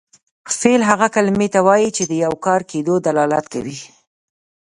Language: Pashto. فعل هغې کلمې ته وایي چې د یو کار کیدو دلالت کوي.